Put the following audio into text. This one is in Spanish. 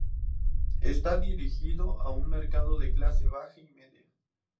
Está dirigido a un mercado de clase baja y media.